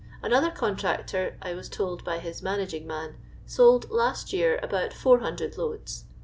Another contractor, I was told by his managing man, sold lust year about 400 loads.